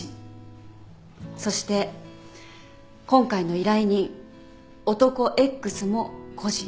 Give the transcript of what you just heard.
そして今回の依頼人男Ｘも個人。